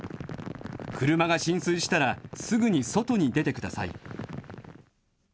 車が浸水したら、すぐに外に出てください。